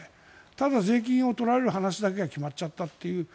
ただ、税金を取られる話だけが決まっちゃったという。